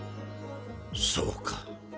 そうか。